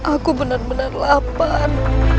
aku benar benar lapar